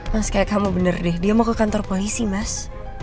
mas kayak kamu bener deh dia mau ke kantor polisi mas